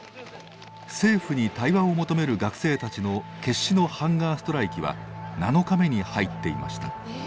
政府に対話を求める学生たちの決死のハンガーストライキは７日目に入っていました。